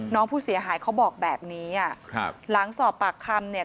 น้องผู้เสียหายเขาบอกแบบนี้อ่ะครับหลังสอบปากคำเนี่ย